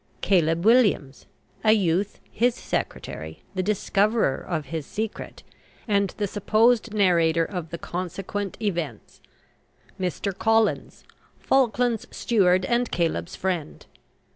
CALEB WILLIAMS, a youth, his secretary, the discoverer of his secret, and the supposed narrator of the consequent events. MR. COLLINS, Falkland's steward and Caleb's friend.